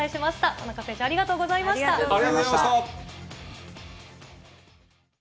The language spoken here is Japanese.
田中選手、ありがとうございまし「キュキュット」